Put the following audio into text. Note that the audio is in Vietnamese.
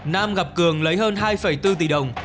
nam gặp cường lấy hơn hai bốn tỷ đồng